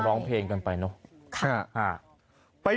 ปลูกมะพร้าน้ำหอมไว้๑๐ต้น